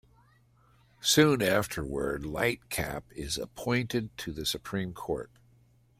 Soon afterward, Lightcap is appointed to the Supreme Court.